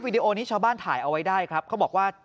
เป็นเสียงเจ้าอาวาสเหรอคะ